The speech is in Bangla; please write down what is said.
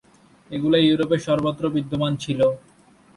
এগুলো ইউরোপের সর্বত্রই বিদ্যমান ছিল।